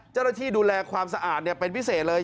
เจ้าหน้าที่ดูแลความสะอาดเป็นพิเศษเลย